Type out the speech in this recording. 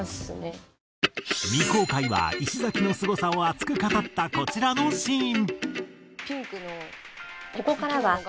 未公開は石崎のすごさを熱く語ったこちらのシーン。